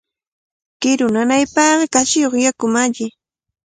Kiru nanaypaqqa kachiyuq yakumi alli.